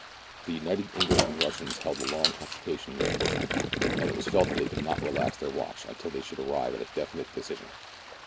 The united English and Russians held a long consultation with the bushman, and it was felt that they could not relax their watch until they should arrive at a definite decision.